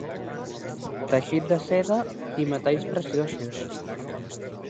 Teixit de seda i metalls preciosos.